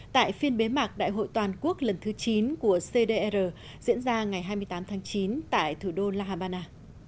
tại phiên bế mạc đại hội toàn quốc lần thứ chín của cdr diễn ra ngày hai mươi tám tháng chín tại thủ đô la habana